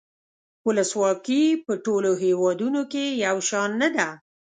ولسواکي په ټولو هیوادونو کې یو شان نده.